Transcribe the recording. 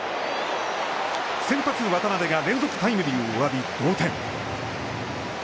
先発渡辺が連続タイムリーを浴び、同点。